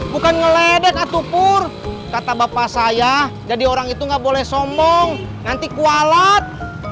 bukan ngeledek atuh pur kata bapak saya jadi orang itu gak boleh sombong nanti kualat